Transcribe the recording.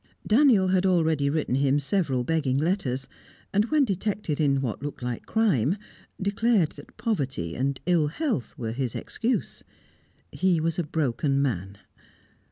Daniel had already written him several begging letters, and, when detected in what looked like crime, declared that poverty and ill health were his excuse. He was a broken man.